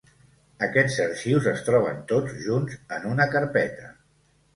Aquests arxius es troben tots junts en una carpeta.